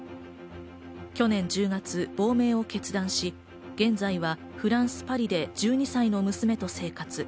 去年１０月、亡命を決断し、現在はフランス・パリで１２歳の娘と生活。